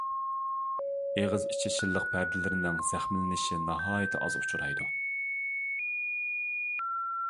ئېغىز ئىچى شىللىق پەردىلىرىنىڭ زەخىملىنىشى ناھايىتى ئاز ئۇچرايدۇ.